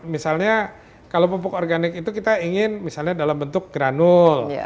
misalnya kalau pupuk organik itu kita ingin misalnya dalam bentuk granul